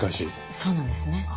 そうなんですね。